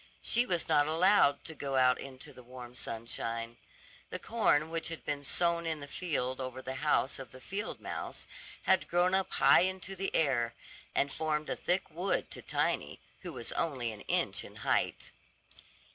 She was not allowed to go out into the warm sunshine. The corn which had been sown in the field over the house of the field mouse had grown up high into the air, and formed a thick wood to Tiny, who was only an inch in height.